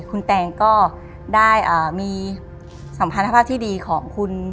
คุณแตงก็ได้มีสัมพันธภาพที่ดีของคุณ